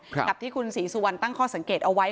กับที่คุณศรีสุวรรณตั้งข้อสังเกตเอาไว้